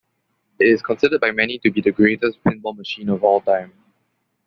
It is considered by many to be the greatest pinball machine of all time.